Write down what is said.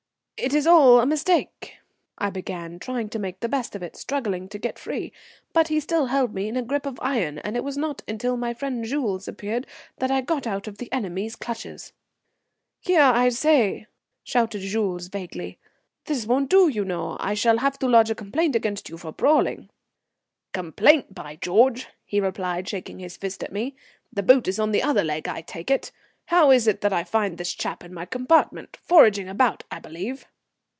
"It's all a mistake," I began, trying to make the best of it, struggling to get free. But he still held me in a grip of iron, and it was not until my friend Jules appeared that I got out of the enemy's clutches. "Here, I say!" shouted Jules vaguely. "This won't do, you know. I shall have to lodge a complaint against you for brawling." "Complaint, by George!" he replied, shaking his fist at me. "The boot is on the other leg, I take it. How is it that I find this chap in my compartment? Foraging about, I believe."